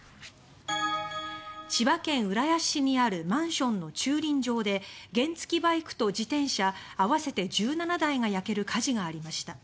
千葉県浦安市にあるマンションの駐輪場で原付きバイクと自転車合わせて１７台が焼ける火事がありました。